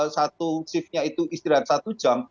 satu shiftnya itu istirahat satu jam